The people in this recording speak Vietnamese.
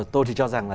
tôi thì cho rằng là